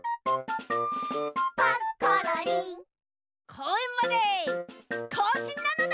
こうえんまでこうしんなのだ！